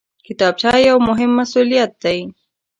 کتابچه یو مهم مسؤلیت دی